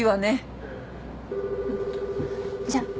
・じゃあ。